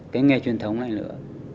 cái nghề truyền thống này nữa